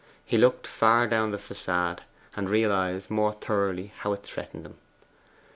He looked far down the facade, and realized more thoroughly how it threatened him.